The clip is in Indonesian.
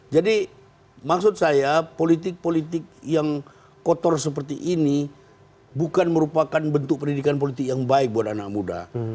jadi maksud saya politik politik yang kotor seperti ini bukan merupakan bentuk pendidikan politik yang baik buat anak muda